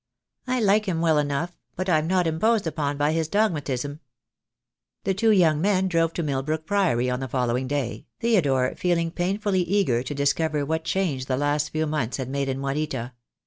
"I like him wTell enough, but I am not imposed upon by his dogmatism." The two young men drove to Milbrook Priory on the following day, Theodore feeling painfully eager to dis cover what change the last few months had made in THE DAY WILL COME. QQ Juanita.